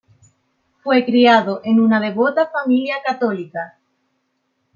Fue criado en una devota familia católica.